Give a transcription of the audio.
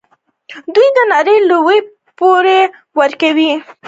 دوی د نړۍ لوی پور ورکوونکي دي.